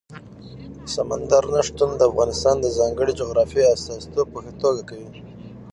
سمندر نه شتون د افغانستان د ځانګړي جغرافیې استازیتوب په ښه توګه کوي.